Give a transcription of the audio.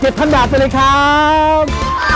๗๐๐๐บาทไปเลยครับ